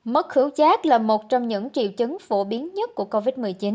mất khử chát là một trong những triệu chứng phổ biến nhất của covid một mươi chín